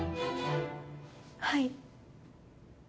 はい。